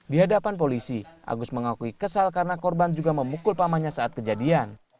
di hadapan polisi agus mengakui kesal karena korban juga memukul pamannya saat kejadian